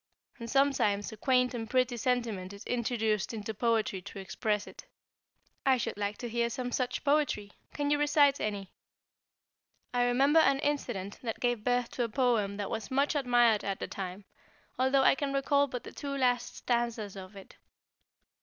And sometimes a quaint and pretty sentiment is introduced into poetry to express it." "I should like to hear some such poetry. Can you recite any?" "I remember an incident that gave birth to a poem that was much admired at the time, although I can recall but the two last stanzas of it.